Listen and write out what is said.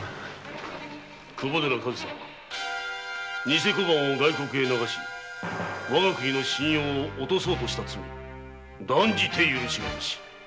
偽小判を外国へ流しわが国の信用を落とした罪断じて許し難し。